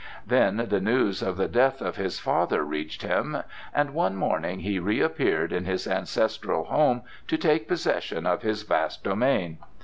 Then the news of the death of his father reached him, and one morning he reappeared in his ancestral home to take possession of his vast domain.